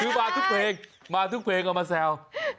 คือมาทุกเพลงมาทุกเพลงเอามาแซว